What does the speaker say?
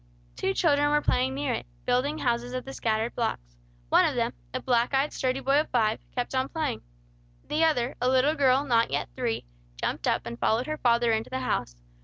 Two children were playing near it, building houses of the scattered blocks; one of them, a black eyed, sturdy boy of five, kept on playing. The other, a little girl, not yet three, jumped up and followed her father into the house.